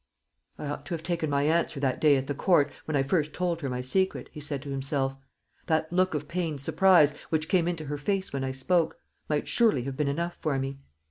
"I ought to have taken my answer that day at the Court, when I first told her my secret," he said to himself. "That look of pained surprise, which came into her face when I spoke, might surely have been enough for me.